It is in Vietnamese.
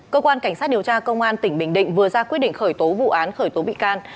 cơ quan cảnh sát điều tra công an tỉnh bình định vừa ra quyết định khởi tố vụ án khởi tố bị can